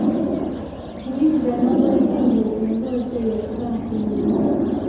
Wuliriza n'obwegendereza emboozi eyo kuba nkulu nnyo.